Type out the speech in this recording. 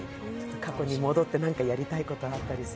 過去に戻って何かやりたいことあったりする？